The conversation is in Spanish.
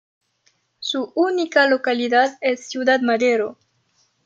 Su única localidad es Ciudad Madero.